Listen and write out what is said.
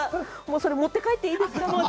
それ持って帰っていいですか？